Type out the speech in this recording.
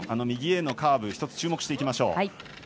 右へのカーブ１つ注目していきましょう。